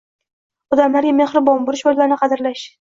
Odamlarga mehribon bo‘lish va ularni qadrlash.